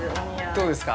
◆どうですか。